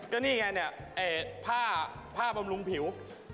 ก็นี่ไงเนี่ยผ้าบำรุงผิว